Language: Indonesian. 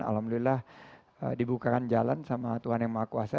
alhamdulillah dibukakan jalan sama tuhan yang maha kuasa